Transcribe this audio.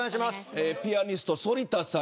ピアニスト反田さん